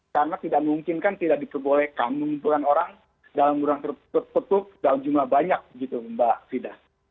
karena tidak mungkin kan tidak diperbolehkan mengumpulkan orang dalam jurang tertutup dalam jumlah banyak gitu mbak sida